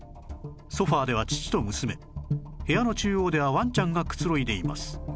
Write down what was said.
ソファでは父と娘部屋の中央ではワンちゃんがくつろいでいます